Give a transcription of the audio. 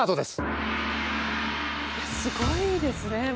すごいですね。